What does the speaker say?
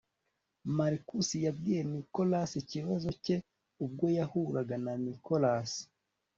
Marcus yabwiye Nicholas ikibazo cye ubwo yahuraga na Nicholas